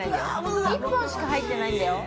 １本しか入ってないんだよ